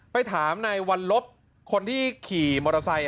ไปถามในวันลบคนที่ขี่มอเตอร์ไซค์